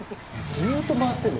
ずっと回ってんの。